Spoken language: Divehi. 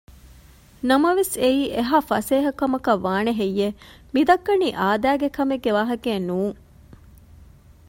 ނަމަވެސް އެއީ އެހާ ފަސޭހަ ކަމަކަށް ވާނެ ހެއްޔެވެ؟ މި ދައްކަނީ އާދައިގެ ކަމެއް ގެ ވާހަކައެއް ނޫން